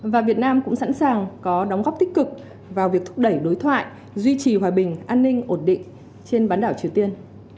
và việt nam cũng sẵn sàng có đóng góp tích cực vào việc thúc đẩy đối thoại duy trì hòa bình an ninh ổn định trên bán đảo triều tiên